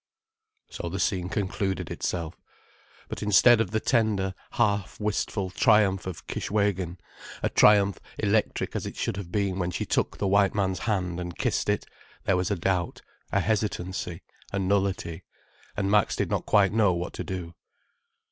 So the scene concluded itself. But instead of the tender, half wistful triumph of Kishwégin, a triumph electric as it should have been when she took the white man's hand and kissed it, there was a doubt, a hesitancy, a nullity, and Max did not quite know what to do.